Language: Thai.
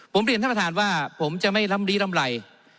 ผมเรียนท่านประธานว่าผมจะไม่ล้ำลี้ล้ำไหล